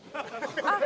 あっ。